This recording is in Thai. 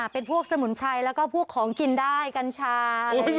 เป็นพวกสมุนไพรแล้วก็พวกของกินได้กันใช่